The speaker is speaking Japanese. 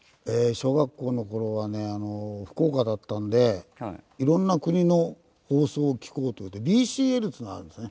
小学校の頃はね福岡だったんで色んな国の放送を聴こうと思ってＢＣＬっていうのがあるんですね。